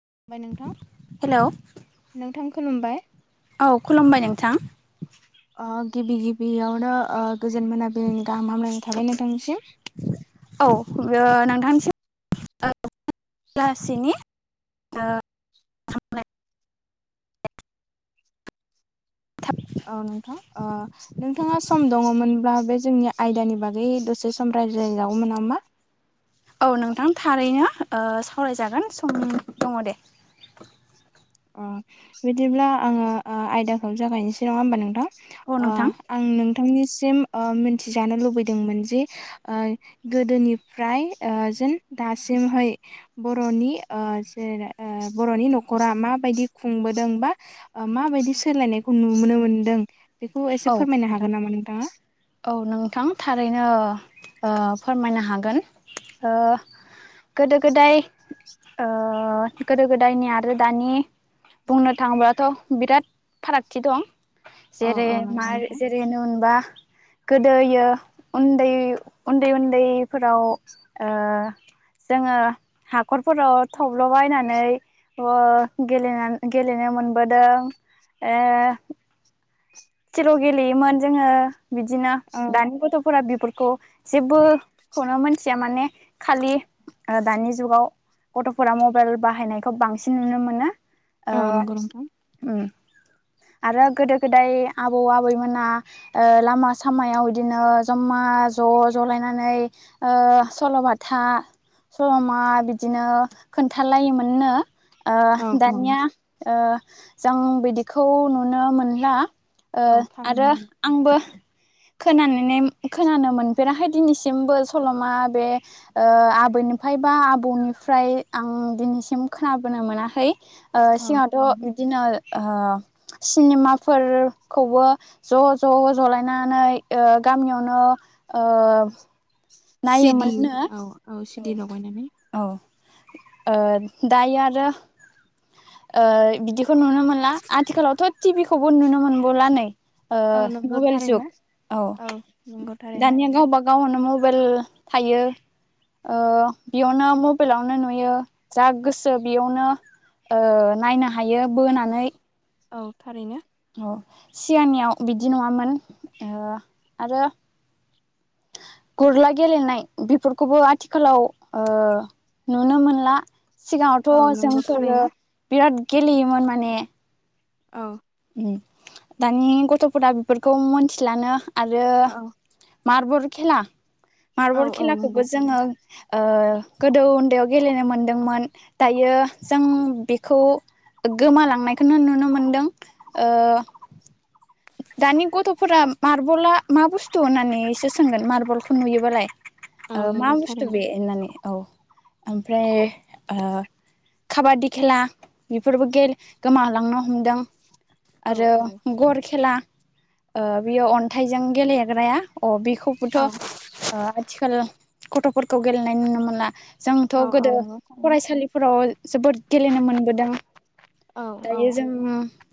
खुमबाय नोंथां हेलौ नोंथां खुलुमबाय औ खुलुमबाय नोंथां‌। ओ गिबि गिबियावनो ओ गोजोन मोनाबिलिनि गाहाम हामलायनाय थाबाय नोंथां निसिम। औ ओ [unintelligible] [unintelligible] औ नोंथां ओ नोंथाङा सम दङमोनब्ला बे जोंनि आयदानि बागै दसे सम रायज्लायजागौमोन नामा? औ नोंथां थारैनो ओ सावरायजागोन सम दङ दे अ बिदिब्ला आङो आयदाखौ जागायनोसै नङा होमबा नोंथां औ आ नोंथां आं नों थांनिसिम ओ मोनथिजानो लुबैदोंमोनजि ओ गोदोनिफ्राय ओ जेन दासिमहै बर'नि ओ जेरै ओ बर'नि न'खरा मा बायदि खुंबोदों बा माबायदि सोलायनायखौ नुबोनो मोनदों बेखौ एसे औ फोरमायनो मेदाम हागोन नामा नोंथाङा? औ नोंथां थारैनो ओ ओ फोरमायनो हागोन ओ गोदो गोदाय ओ गोदो गोदायनि आरो दानि बुंनो थाङोबाथ' बिराद फारागथि दं। औ औ जेरै- नंगौ माइ नोंथां जेरैनो होनबा गोदोयो उन्दै उन्दै उन्दैफोराव ओ जोङो हाखरफोराव थब्ल'बायनानै अ गेलेना गेलेनो मोनबोदों ओ चेल' गेलेयोमोन जोङो बिदिनो औ दानि गथ'फोरा बिफोरखौ जेबो खौनो मोनथिया माने खालि दानि जुगाव गथ'फोरा मबाइल बाहायनायखौ बांसिन नुनो मोनो। ओ औ नंगौ नोंथां ओम आरो गोदो गोदाय आबौ आबैमोना ओ लामा सामायाव बिदिनो ज'मा ज' जलायनानै ओ सल'बाथा समल'मा बिदिनो खोन्थालायोमोननो औ ओ औ दानिया ओ जों बिदिखौ नुनो मोनला ओ औ आरो थारैनो आंबो खोनानानै खोनानो मोनफेराखै दिनैसिमबो सल'मा बे ओ आब बैनिफ्राय बा आबौनिफ्राय आं दिनैसिम खोनाबोनो मोनाखै ओ औ सिङावथ' थारैनो बिदिनो ओ सिनेमाफोर खौबो ज' ज' जलायनानै ओ गामियावनो ओ सिदि नायोमोननो औ औ सिदि लगायनानै औ ओ दायो आरो ओ बिदि फोर नुनो मोनला आथिखालावथ' टिभि खौबो नुनो मोनबावला नै ओ औ नंगौ मबाइल थारैनो जुग। औ नंगौ थारैनो। गाववानो मबाइल थायो। ओ बेयावनो मबाइलावनो नुयो जा गोसो बेयावनो ओ नायनो हायो बोनानै। औ थारैनो। अ सिगांनियाव बिदि नङामोन। ओ आरो गुरला गेलेनाय बेफोरखौबो आथिखालाव ओ नुनो मोनला। औ सिगाङावथ' नंगौ जोंफोरो थारैनो। बिराद गेलेयोमोन माने औ दानि गथ'फोरा बिफोरखौ मोनथिलानो आरो औ मारबुर खेला औ मार्बल औ खेलाखौबो नंगौ थारैनो। जोङो ओ गोदो उन्दैयाव गेलेनो मोनदोंमोन। दायो जों बेखौ गोमालांनायखौनो नुनो मोनदों ओ दानि गथ'फोरा मार्बला मा बुस्थु होननानैसो सोंगोन मार्बलखौ नुयोबालाय। औ ओ मा नंगौ बुस्थु थारैनो बे होननानै औ ओमफ्राय ओ खाबादि खेला बेफोरबो गे गोमालांनो हमदों। औ आरो औ। गर खेला ओ बियो अन्थाइजों गेलेग्राया। अ बिखौबोथ' औ ओ आथिखाल गथ'फोरखौ गेलेनाय नुनो मोना। जोंथ' औ औ गोदो नंगौ थारैनो। फरायसालिफोराव जोबोद गेलेनो मोनबोदों। औ दायो औ। जों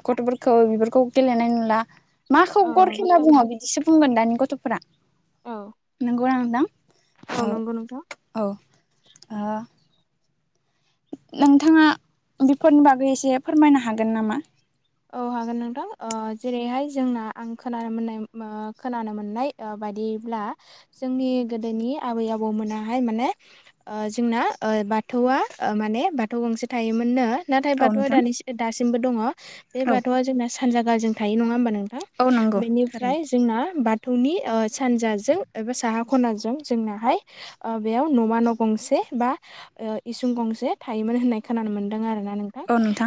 गथ'फोरखौ बिफोरखौ गेलेनाय नुला माखौ औ गर नंगौ खेला थारैनो। बुङो बिदिसो बुंगोन दानि गथ' फ्रा औ [unintelligible] औ नंगौ नोंथां। आ- नोंथाङा बेफोरनि बागै एसे फोरमायनो हागोन नामा? औ हा गोन नोंथां ओ जेरैहाय जोंना आंखोनानो मोननाय खोनानो मोन्नाय बायदिब्ला आ जोंनि गोदोनि आबै आबौमोना हाय माने जोंना ओ बाथौआ माने बाथौ गंसे थायोमोननो। नाथाय औ बाथौआ नोंथां दानि दासिमबो दङ बे औ बाथौआ जोंना सानजा गालजों थायो नङा होमबा नोंथां। औ नों नंगौ बेनिफ्राय थारैनो जोंना बा- थौनि सानजाजों एबा साहा खनाजों जोंनाहाय बेयाव न'मा न' गंसे बा ओ इसुं गंसे थायोमोन होननाय खोनानो मोनदों आरोना। नोंथां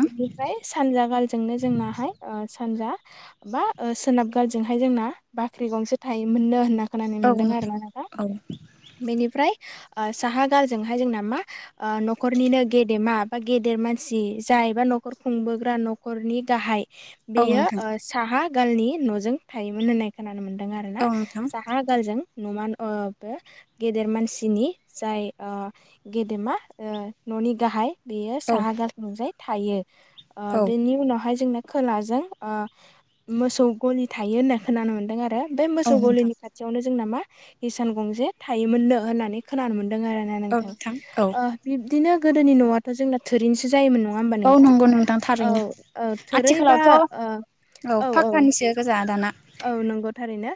इनिफाय सानजा गाल- जोंनो जोंनाहाय ओ सान्जा बा सोनाब गालजोंहाय जोंना बाख्रि गंसे थायोमोन। मोननो होनना खोनानो औ मोनदों आरोना नोंथां। औ बेनिफ्राय ओ साहा गालजों हाय जोंना मा न'खरनिनो गेदेमा बा गेदेर मानसि जायबा न'खर खुंबोग्रा न' नखरनि गाहाय औ बेयो नोंथां साहा गालनि न'जों थायोमोन होननाय खोनानो मोनदों। दों आरो ना औ नोंथां साहा गालजों। नमा न'आबो गेदेर मानसिनि जाय ओ गेदेमा ओ न'नि गाहाय बेयो औ साहा गालथिंजाय थायो। ओ औ बेनि उनावहाय जोंना खोलाजों ओ मोसौ गलि थायो होनना खोनानो मोन्दों आरो। बे औ मोसौ नोंथां गलिनि खाथियावनो जोंना मा हिसान गंसेे थायोमोननो होननानै खोनानो मोनदों। आरोना औ नोंथां औ ओ बिब्दिनो गोदोनि न'वा थ' जोंना थुरिनिसो जायोमोन नङा होमबा औ नोंथां। नंगौ औ थारैनो ओ थोरैबा आथिखालावथ' ओ औ औ। फाक्कानिसो गोजा दाना औ नंगौ थारैनो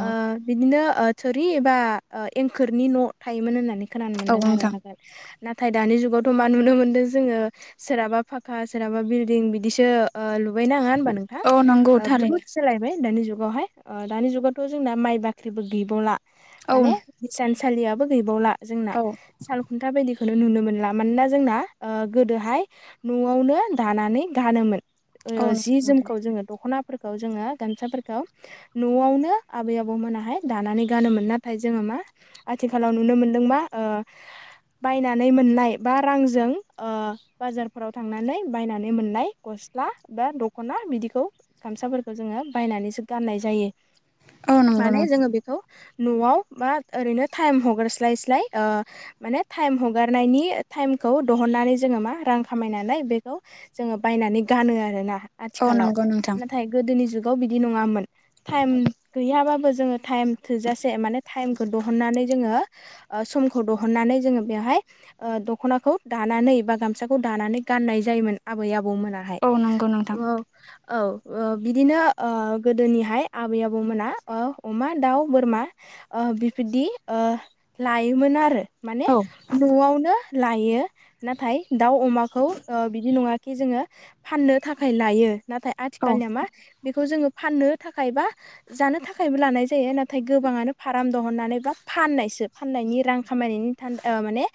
औ ओ बिदिनो ओ थुरि एबा एंखोरनि न' थायोमोन होननानै खोनानो औ मोनदों आरो नोंथां आगोल नाथाय दानि जुगावथ' मा नुनो मोनदों जोङो सोरहाबा फाका सोरहाबा बिलदिं बिदिसो ओ लुबायनाङा होनबा नोंथाङा औ नंगौ ओ थारैनो बहुत सोलायबाय। दानि जुगावहाय ओ दानि जुगावथ' जोंना माइ बाख्रिबो गैबावला औ माने इसान सा लिबो गैबावला जोंना औ साल खुथा बायदि खौनो नुनो मोनला मानोना जोंना ओ गोदोहाय न'आवनो दानानै गानोमोन। औ ओ जि नंगौ नोंथां जोमखौ जोङो दख'नाफोरखौ जोङो गामसाफोरखौ न'आवनो आबै-आबौ मोनाहाय दानानै गानोमोन नाथाय जोङो मा आ थिखालाव नुनो मोनदों मा ओ बायनानै मोननाय बा रांजों ओ बाजारफोराव थांनानै बायनानै मोननाय गस स्ला बा दख'ना बिदिखौ गामसाफोरखौ जोङो बायनानैसो गाननाय जायो औ नंगौ माने जोङो नोंथां बेखौ न'आव बा ओरैनो टाइम हगारस्लाय स्लाय ओ माने टाइम हगारनायनि टाइम खौ दिहुननानै जोङो मा रां खामायनानै बेखौ जोङो बायनानै गानो आरोना। औ आथिखालाव नंगौ नोंथां नाथाय गोदोनि जु गाव बिदि नङामोन। थाइम गैया बाबो जों थाइम थोजासे माने थायेम खौ दिहुनानै जोङो ओ समखौ दिहुननानै बेहाय दख'नाखौ दानानै बा गामसाखौ दा नानै गनाय जायोमोन आबै-आबौ मोनाहाय औ नंगौ नोंथां औ औ ओ बिदिनो ओ गोदोनिहाय आबै-आबौमोना ओ अमा, दाउ, बोरमा ओ बिबायदि ओ ओ लायोमोन आरो माने औ न'आवनो लायो नाथाय दाउ, अमाखौ बिदि नङा खि जोङो फाननो थाखाय लायो नाथाय औ आथिखालनिया मा खौ जोङो फाननो थाखाय बा जानो थाखायबो लानाय जायो नाथाय गोबाङानो फार्म दंहनानै बा फाननायसो फाननायनि रां खामायनायनि माने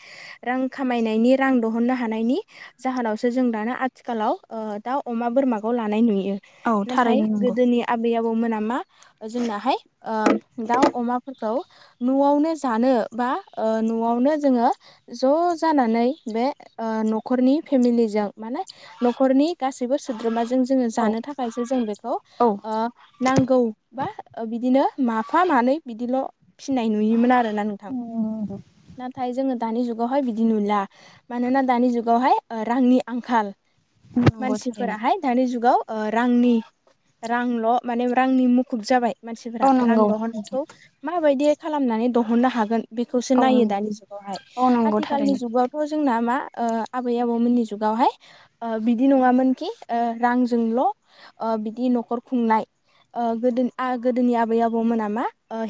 रां खामायनायनि रां दिहुननो हानायनि जाहोनावसो जों दाना आथिखालाव ओ दाउ, अमा, बोरमाखौ लानाय नुयो। औ नाथाय थारैनो नंगौ गोदोनि आबै- आबौ मोना मा जोंनाहाय ओ दाउ, अमाफोरखौ न'आवनो जानो बा ओ न'आवनो जोङो ज' जानानै बे ओ न'खरनि फेमिलिजों माने न'खरनि गासैबो सोद्रोम जों जोङो औ जानो थाखायसो जों बेखौ औ ओ नांगौ बा बिदिनो माफा मानै बिदिल' फिनाय नुयोमोन आरो नोंथां ना नाथाय जोङो दानि जुगावहाय बिदि नुला मानोना दानि जुगावहाय रांनि आंखाल नंगौ थारैनो मानसिफोराहाय दानि जुगाव ओ रांनि रांल' माने रांनि मुखुब जाबाय औ मानसिफोरा रां नंगौ नोंथां दिहुननायखौ माबायदि खालामनानै दिहुननो हागोन। बेखौसो औ नायो नंगौ दानि जुगावहाय औ नंगौ आथिखालनि थारैनो जुगावथ' जोंना मा ओ आबै-आबौमोननि जुगावहाय ओ बिदि नङामोन कि रांजोंल' ओ बिदि न'खर खुंनाय ओ गोदोनि आ गोदोनि आबै-आबौमोना मा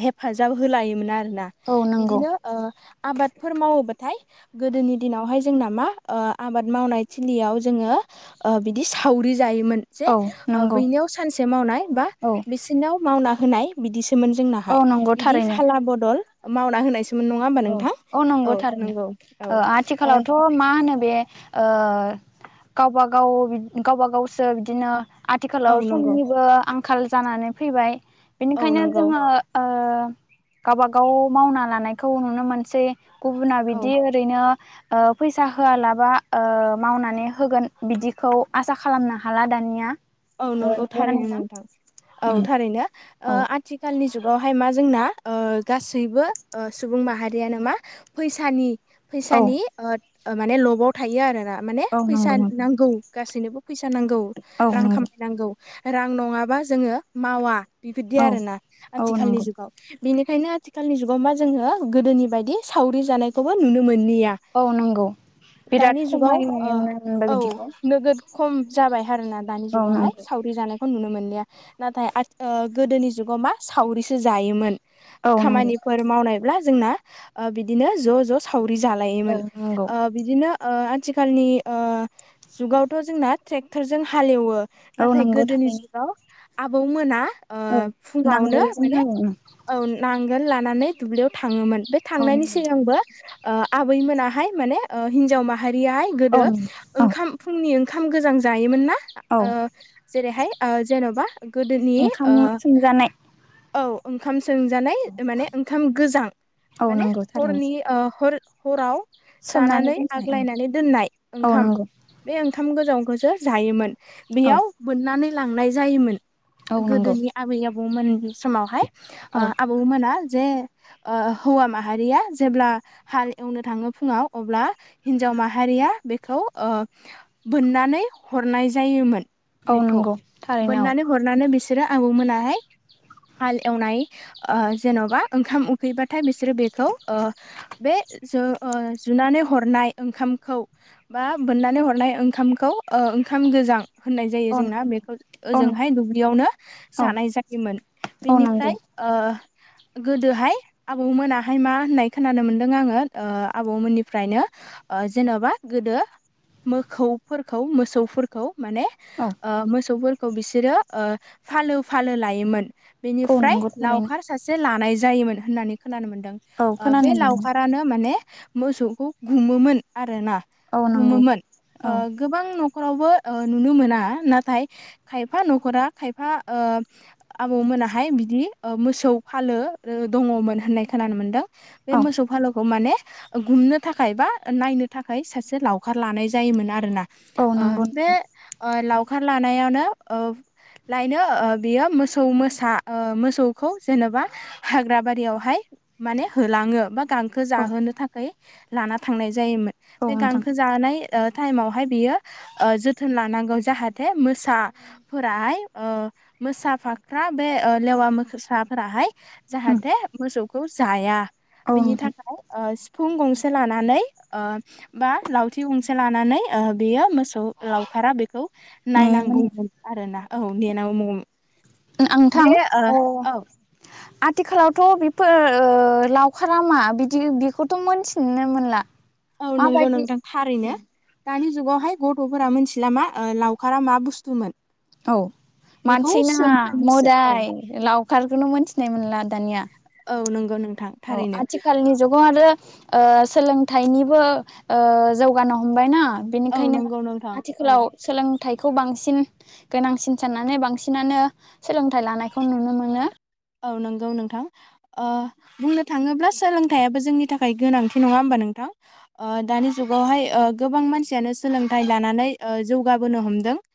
हेफाजाब ओ होलायोमोन आरो ना औ नंगौ बिदिनो ओ आबादफोर मावोबा थाय गोदोनि दिनावहाय जोंना मा ओ आबाद मावनाय थिलियाव जोङो ओ बिदि सावरि जायोमोन जे औ ओ नंगौ बैनियाव सानसे मावनाय बा औ बिसिोरनाव मावना होनाय बिदिसो जोंनाहाय औ नंगौ बिदि थारैनो फाला बदल मावना होनाय औ औ नंगौ थारैनो औ ओ ना ओ आथिखालावथ' मा होनो बे ओ गावब गाव गावब गावसो बिदिनो औ आथिखालाव नंगौ समनिबो आंखाल जानानै फैबाय औ बिनिखायनो नंगौ जोङो ओ गावबा गाव मावना लानायखौ नुनो मोनसै गुबुना औ बिदि ओरैनो ओ फैसा होआलाबा ओ मावनानै होगोन बिदिखौ आसा खालामनो हाला दानिया औ ओ नंगौ नंगौना थारैनो नोंथां औ उम थारैनो ओ औ आथिखालनि जुग बावहाय मा जोंना ओ गासैबो सुबुं माहारियानो मा फैसानि औ फैसानि ओ माने लस लबाव थायो आरो ना माने औ नंगौ फैसा नोंथां नांगौ गासैनोबो फैसा नांगौ औ रां नंगौ खामायनांगौ रां नङाबा जोङो मावा बेबायदि औ आरो ना औ आथिखालनि नंगौ जुगाव बेनिखायनो आथिखालनि जुगाव मा जोङो गोदोनि बायदि सावरि जानायखौबो नुनो मोन मोहैया औ नंगौ बिराद दानि जुगाव खमायनो नुनो मोनबाय औ बिदिखौ नोगोद खम जाबाय आरो ना दानि औ जुगावहाय नंगौ सावरि जानाय खौ नुनो मोनलिया नाथाय आथि ओ गोदोनि जुगाव मा सावरिसो जायोमोन औ नंगौ खामानिफोर मावनायब्ला जोंना ओ बिदिनो ज' ज' सावरि औ जालायोमोन नंगौ ओ बिदिनो ओ आथिखालनि ओ जुगावथ' जोंना ट्रेक्टरजों हालेवो। औ नाथाय नंगौ गोदोनि थारैनो जुगाव आबौ मोना ओ औ फुङावनो नांगोलजों माने हालेवो औ नांगौ। लानानै दुब्लियाव थाङोमोन बे औ थांनायनि नंगौ सिगांबो ओ आबैमोनाहाय माने ओ हिनजाव माहारियाहाय औ गोदो नंगौ औ ओंखाम फुंनि ओंखाम गोजां जायोमोन ना औ ओ जेरैहाय ओ जेन'बा गोदोनि ओंखाम ओ सोमजानाय औ ओंखाम सोंजानाय माने ओंखाम गोजां औ माने नंगौ थारैनो हरनि हर ओ हराव सोमनानै जानानै दोनखानाय औ आग्लायनानै दोननाय औ ओंखाम नंगौ बे ओंखाम गोजां खौसो जायो मोन औ बेयाव बोननानै लांनाय जायो मोन औ नंगौ गोदोनि आबै आबौ आबौमोन समावहाय ओ औ आबौमोना जे हौवा माहारिया जेब्ला हाल एवनो थाङो फुङाव अब्ला हिनजाव माहारिया ओ बेखौ बोननानै हरनाय जायोमोन। औ बेखौ नंगौ थारैनो मोननानै हरनानै बिसोरो आबौ मोनाहाय हाल एवनाय ओ जेन'बा ओंखाम उखैबाथाय बिसोरो बेखौ ओ बे जो ओ जुनानै हरनाय ओंखामखौ बा बोननानै हरनाय ओंखामखौं ओ खाम गोजां। होननाय जायो औ जोंना नंगौ बेखौ औ नंगौ ओजोंहाय दुब्लियावनो औ जानाय जायोमोन औ नंगौ बेनिफ्राय ओ। गोदोहाय आबौमोनाहाय मा होननाय खोनानो मोनदों आङो ओ आबौमोननिफ्रायनो जेन'बा गोदो मोसौफोरखौ मोसौ खौ माने औ ओ मोसौफोरखौ बिसोरो ओ फालो फालो लायोमोन औ बेनिफ्राय नंगौ थारैनो लावखार सासे लानाय जायोमोन होननानै खोनानो मोनदों औ ओ बे खोनानो मोनदों लावखारानो माने मोसौखौ गुमोमोन आरो ना औ नंगौ गुमोनमोन ओ औ गोबां न'खरावबो ओ नुनो मोना नाथाय खायफा न'खरा खायफा ओ आबौमोनाहाय मोसौ फालो दङमोन होननाय खोनानो मोनदों बे औ मोसौ फालो खौ माने गुमनो थाखाय बा नायनो थाखाय सासे लावखार लानाय जायोमोन आरोना। औ नंगौ। [inaudible] नोंथां लावखार लानायावनो लायनो ओ बियो मोसौ ओ मोसा मोसौखौ जेन'बा हाग्रा बारियावहाय माने होलाङो बा गांखो औ जाहोनो थाखाय लाना थांनाय जायोमोन। बे औ नोंथां गांखो जाहोनाय टाइमावहाय बियो ओ जोथोन लानांगौ जाहाथे मोसाफोराहाय मोसाफाख्रा बे ओ लेवा मोसा फोराहाय उम जाहाथे मोसौखौ जाया औ बिनि नोंथां थाखाय ओ फुं गंसे लानानै ओ बा लावथि गंसे लानानै ओ बियो मोसौ लावखारा बेखौ नेयोमोन नायनांगौमोन आरो ना औ नेनांगौ आंथां अ औ [unintelligible] आथिखालावथ' बिफोर ओ लावखारा मा बिदि बेखौथ' मोनथिनो मोनला। औ नंगौ माबायदि नोंथां थारैनो दानि जुगावहाय गथ'फोरा मिथिला मा ओ लावखारा मा बुस्थुमोन औ बेखौ मानसि नाङा सोंफिनोसो औ मोदाय लावखारखौनो मोनथिनाय मोनला दानिया औ नंगौ नोंथां औ थारैनो आथिखालनि जुगाव आरो ओ सोलोंथाइनिबो ओ जौगानो हमबाय ना। औ बेनिखायनो नंगौ नोंथां औ आथिखालाव सोलों थाइखौ बांसिन गोनांसिन साननानै बांसिनानो सोलोंथाइ लानायखौ नुनो मोनो। औ नंगौ नोंथां ओ बुंनो थांङोब्ला सोलोंथाययाबो जोंनि थाखाय गोनांथि नंङा होमबा नोंथां? आ दानि जुगावहाय ओ गोबां मानसियानो सोलोंथाइ लानानै ओ जौगाबोनो हमदों। [inaudible]